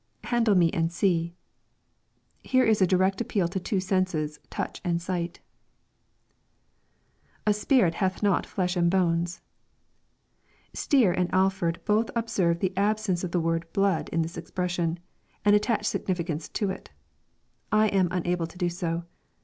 [Handle me and see.] Here is a direct appeal to two senses, touch and sight. [A spirit hath not flesh and bones.] Stier and Alford both ob serve the absence of the word " blood" in this expression, and attach significance to it I am unable to do so.